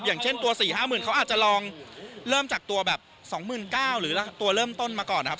อย่างเช่นตัว๔๕๐๐๐เขาอาจจะลองเริ่มจากตัวแบบ๒๙๐๐หรือตัวเริ่มต้นมาก่อนนะครับ